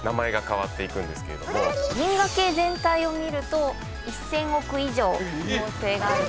銀河系全体を見ると１，０００億以上恒星がある。